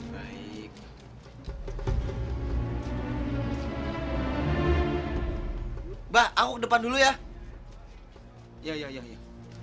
mbah aku depan dulu ya ya ya ya ya